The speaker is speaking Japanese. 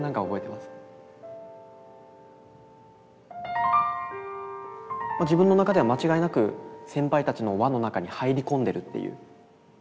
まあ自分の中では間違いなく先輩たちの輪の中に入り込んでるっていう。